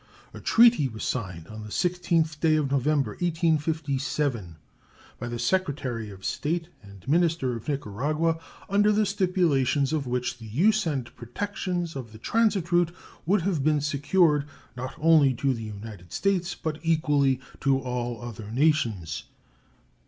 A treaty was signed on the 16th day of November, 1857, by the Secretary of State and minister of Nicaragua, under the stipulations of which the use and protection of the transit route would have been secured, not only to the United States, but equally to all other nations.